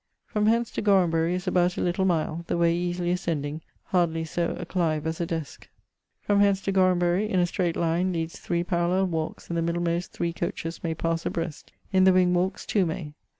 From hence to Gorhambery is about a little mile, the way easily ascending, hardly so acclive as a deske. From hence to Gorambury in a straite line leade three parallell walkes: in the middlemost three coaches may passe abreast: in the wing walkes two may.